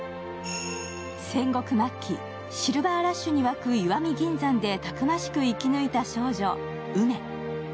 戦国末期、シルバーラッシュに沸く石見銀山でたくましく生き抜いた少女・ウメ。